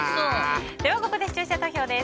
ここで視聴者投票です。